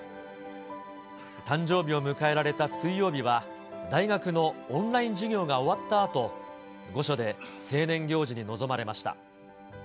誕生日を迎えられた水曜日は、大学のオンライン授業が終わったあと、御所で成年行事に臨まれました。